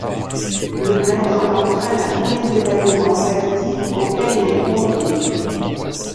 Le maître l’entraîne à tous les événements festifs auxquels il est convié.